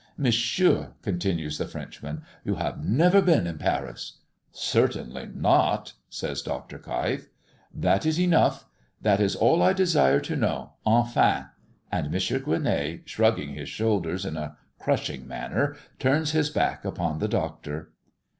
"Monsieur," continues the Frenchman, "you have never been in Paris." "Certainly not," says Dr. Keif. "That is enough. That is all I desire to know. Enfin!" and M. Gueronnay, shrugging his shoulders in a crushing manner, turns his back upon the Doctor.